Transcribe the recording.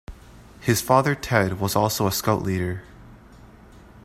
His father Ted was also a scout leader.